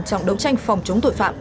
trong đấu tranh phòng chống tội phạm